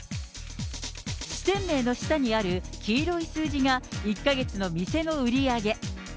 支店名の下にある黄色い数字が１か月の店の売り上げ。